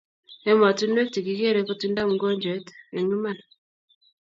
emattunuek chekikere kotindai mukojwet eng iman